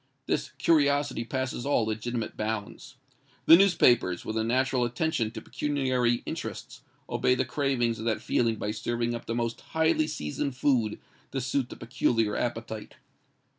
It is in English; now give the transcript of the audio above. This curiosity passes all legitimate bounds. The newspapers, with a natural attention to pecuniary interests, obey the cravings of that feeling by serving up the most highly seasoned food to suit the peculiar appetite.